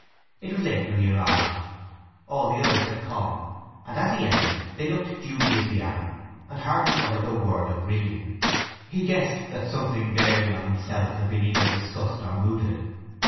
It was late when he arrived: all the others had come, and as he entered they looked dubiously at him, and hardly uttered a word of greeting. He guessed that something bearing on himself had been either discussed or mooted.